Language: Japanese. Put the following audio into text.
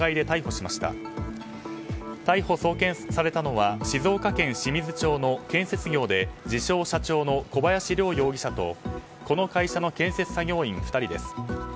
逮捕・送検されたのは静岡県清水町の建設業で自称社長の小林涼容疑者とこの会社の建設作業員２人です。